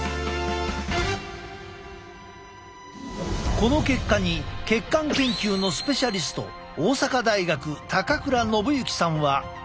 この結果に血管研究のスペシャリスト大阪大学倉伸幸さんは。